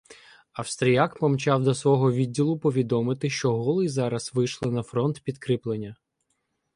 "Австріяк" помчав до свого відділу повідомити, що Голий зараз вишле "на фронт" підкріплення.